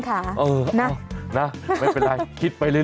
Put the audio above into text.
อยู่นี่หุ่นใดมาเพียบเลย